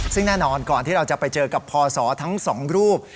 ซึ่งแน่นอนก่อนที่เราจะไปเจอกับพศทั้ง๒รูป